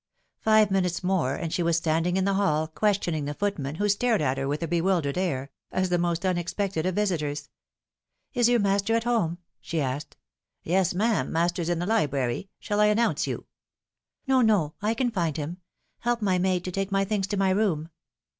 Five minutes more and she was standing in the hall, ques tioning the footman, who stared at her with a bewildered air, as the most unexpected of visitors. " Is your master at home ?" she asked. "Yes, ma'am, master's in the library. Shall I announce you ?"" No, no I can find him. Help my maid to take my things to my room."